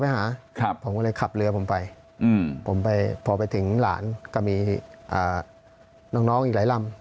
ผมไปอืมผมไปพอไปถึงหลานก็มีอ่าน้องน้องอีกหลายลำ